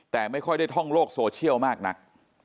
แต่ไม่ค่อยได้ท่องโลกโซเชียลมากนัก